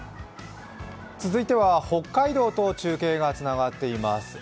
続いては北海道と中継がつながっています。